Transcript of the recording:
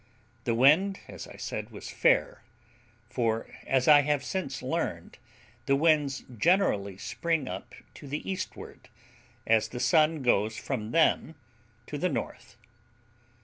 The wind, as I said, was fair; for, as I have since learned, the winds generally spring up to the eastward, as the sun goes from them to the north.